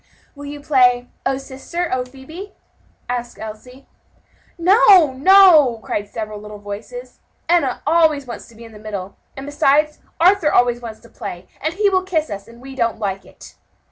"Will you play 'O sister, O Phebe?'" asked Elsie. "No, no!" cried several little voices, "Enna always wants to be in the middle; and besides, Arthur always wants to play, and he will kiss us; and we don't like it."